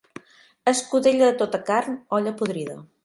Escudella de tota carn, olla podrida.